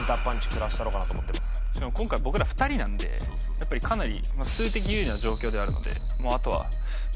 やっぱりかなり。